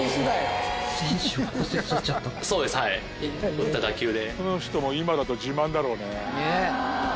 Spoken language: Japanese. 打った打球で。